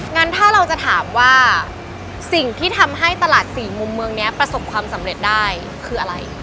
งั้นถ้าเราจะถามว่าสิ่งที่ทำให้ตลาดสี่มุมเมืองนี้ประสบความสำเร็จได้คืออะไร